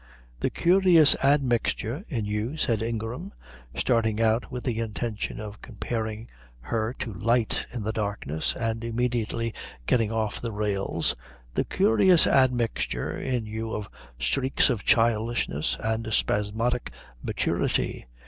"The curious admixture in you," said Ingram, starting out with the intention of comparing her to light in the darkness and immediately getting off the rails, "the curious admixture in you of streaks of childishness and spasmodic maturity!